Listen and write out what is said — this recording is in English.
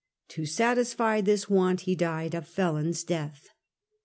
To satisfy this want, he died a felon's death.